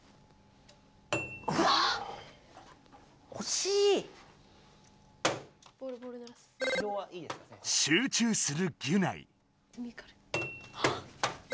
しゅう中するギュナイ。